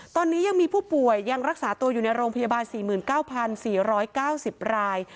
ตอนนี้ยังมีผู้ป่วยยังรักษาตัวอยู่ในโรงพยาบาล๔๙๔๙๐ราย